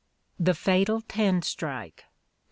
THE FATAL TEN STRIKE.